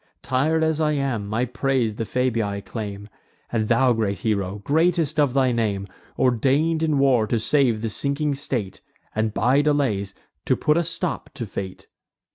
Tir'd as I am, my praise the Fabii claim; And thou, great hero, greatest of thy name, Ordain'd in war to save the sinking state, And, by delays, to put a stop to fate!